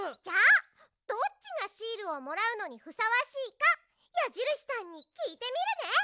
じゃあどっちがシールをもらうのにふさわしいかやじるしさんにきいてみるね！